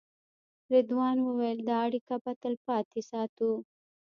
رضوان وویل دا اړیکه به تلپاتې ساتو.